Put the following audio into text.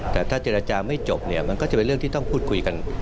แต่ถ้าเจรจาไม่จบเนี่ยมันก็จะเป็นเรื่องที่ต้องพูดคุยกัน